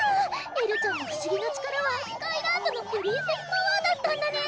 エルちゃんの不思議な力はスカイランドのプリンセスパワーだったんだね！